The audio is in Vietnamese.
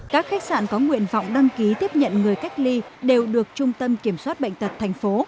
các khách sạn có nguyện vọng đăng ký tiếp nhận người cách ly đều được trung tâm kiểm soát bệnh tật thành phố